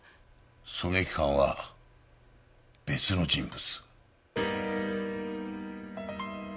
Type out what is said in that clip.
狙撃犯は別の人物。